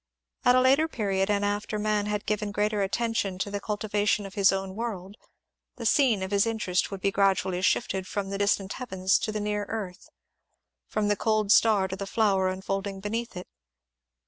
At a later period, and after man had given greater attention to the cul tivation of his own world, the scene of his interest vrould be gradually shifted from the distant heavens to the near earth, from the cold star to the flower unfolding beneath it.